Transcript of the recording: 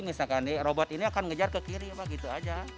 misalkan robot ini akan ngejar ke kiri gitu aja